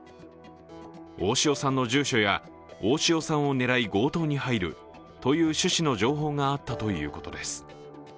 大塩さんの住所や大塩さんを狙い強盗に入るという趣旨の情報があったということです。